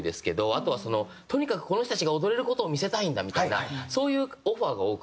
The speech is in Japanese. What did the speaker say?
あとはとにかくこの人たちが踊れる事を見せたいんだみたいなそういうオファーが多くて。